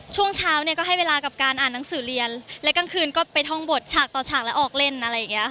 ช่วงเช้าเนี่ยก็ให้เวลากับการอ่านหนังสือเรียนและกลางคืนก็ไปท่องบทฉากต่อฉากแล้วออกเล่นอะไรอย่างเงี้ย